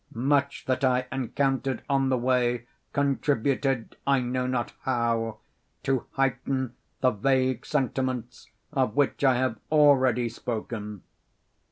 Much that I encountered on the way contributed, I know not how, to heighten the vague sentiments of which I have already spoken.